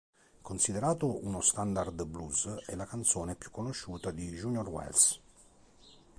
Considerato uno standard blues, è la canzone più conosciuta di Junior Wells.